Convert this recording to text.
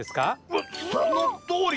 わっそのとおり。